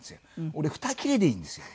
俺２切れでいいんですよ。